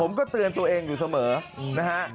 เตือนตัวเองอยู่เสมอนะฮะ